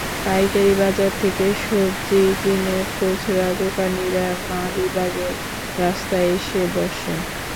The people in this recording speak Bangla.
পাইকারি বাজার থেকে সবজি কিনে খুচরা দোকানিরা মালিবাগের রাস্তায় এসে বসেন।